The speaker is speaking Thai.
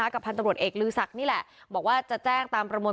กับทางตำรถเอกลื้อสักนี่แหละบอกว่าจะแจ้งตามประมวล